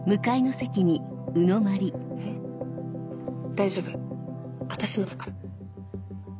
大丈夫私もだから。